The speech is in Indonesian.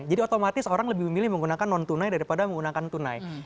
otomatis orang lebih memilih menggunakan non tunai daripada menggunakan tunai